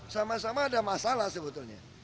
sama sama ada masalah sebetulnya